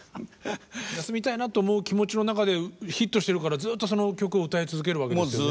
休みたいなと思う気持ちの中でヒットしてるからずっとその曲を歌い続けるわけですよね。